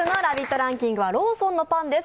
ランキングはローソンのパンです。